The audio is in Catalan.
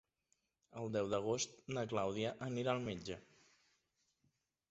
El deu d'agost na Clàudia anirà al metge.